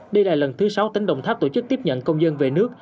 đây là lần thứ sáu tỉnh đồng tháp tổ chức tiếp nhận công dân về nước